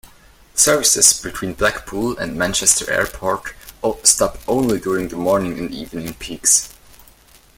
Services between Blackpool and Manchester Airport stop only during the morning and evening peaks.